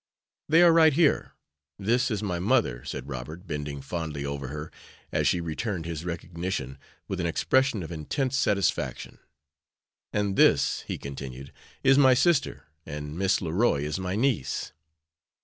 "They are right here. This is my mother," said Robert, bending fondly over her, as she returned his recognition with an expression of intense satisfaction; "and this," he continued, "is my sister, and Miss Leroy is my niece."